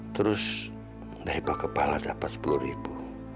terus dari pak kepala dapet sepuluh ribu